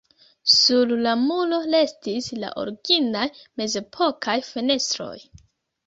Sur la muro restis la originaj mezepokaj fenestroj.